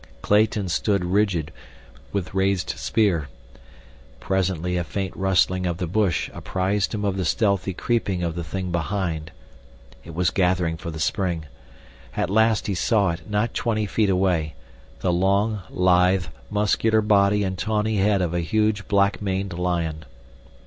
Clayton stood rigid, with raised spear. Presently a faint rustling of the bush apprised him of the stealthy creeping of the thing behind. It was gathering for the spring. At last he saw it, not twenty feet away—the long, lithe, muscular body and tawny head of a huge black maned lion.